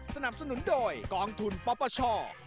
สนับสนุนโดยกองทุนป๊อปป้าช่อ